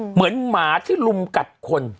เหมือนหมาที่ลุมกัดคน